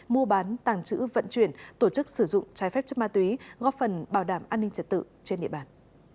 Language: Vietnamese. mua bán tàng trữ vận chuyển tổ chức sử dụng trái phép chất ma túy góp phần bảo đảm an ninh trật tự trên địa bàn